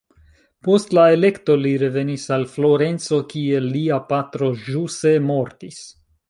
Post la elekto li revenis al Florenco, kie lia patro ĵuse mortis.